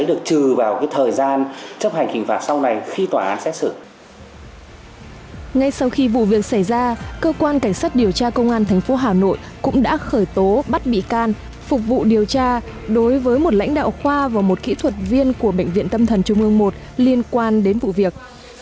điều tra công an thành phố hà nội cũng đã khởi tố bắt bị can phục vụ điều tra đối với một lãnh đạo khoa và một kỹ thuật viên của bệnh viện tâm thần trung ương một liên quan đến vụ việc